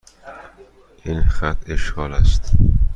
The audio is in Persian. این خط اشغال است.